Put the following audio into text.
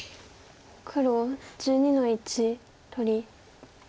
黒１２の一取り。